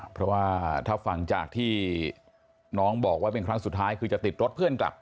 เพราะว่าถ้าฟังจากที่น้องบอกว่าเป็นครั้งสุดท้ายคือจะติดรถเพื่อนกลับ